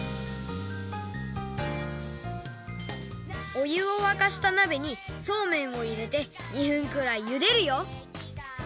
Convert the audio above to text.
おゆをわかしたなべにそうめんをいれて２分くらいゆでるよ！